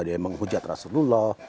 ya menghujat rasulullah